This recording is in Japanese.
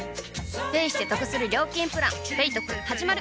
ペイしてトクする料金プラン「ペイトク」始まる！